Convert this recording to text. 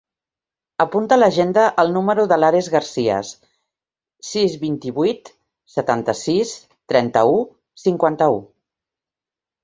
Apunta a l'agenda el número de l'Ares Garcias: sis, vint-i-vuit, setanta-sis, trenta-u, cinquanta-u.